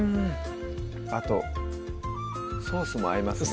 あとソースも合いますね